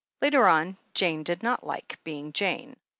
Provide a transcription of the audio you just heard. Later on, Jane did not like being Jane.